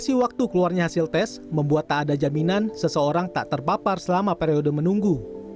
masih waktu keluarnya hasil tes membuat tak ada jaminan seseorang tak terpapar selama periode menunggu